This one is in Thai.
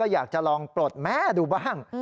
อยากจะลองปลดแม่ดูบ้าง